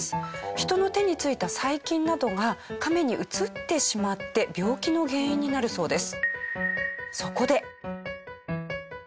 人の手についた細菌などがカメにうつってしまって病気の原因になるそうです。